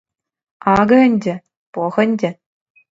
Акӑ ӗнтӗ, пӑх ӗнтӗ.